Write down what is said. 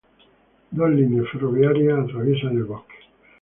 Dos líneas ferroviarias atraviesan el bosque.